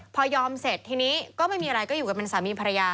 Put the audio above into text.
พอยอมเสร็จทีนี้ก็ไม่มีอะไรก็อยู่กันเป็นสามีภรรยา